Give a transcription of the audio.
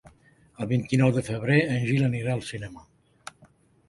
El vint-i-nou de febrer en Gil anirà al cinema.